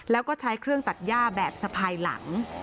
แล้วก็ใช้เครื่องตัดย่าแบบสะพายหลัง